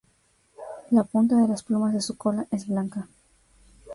La punta de las plumas de su cola es blanca.